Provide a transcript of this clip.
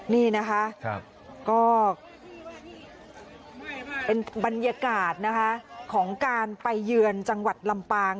นี่นะคะก็เป็นบรรยากาศนะคะของการไปเยือนจังหวัดลำปาง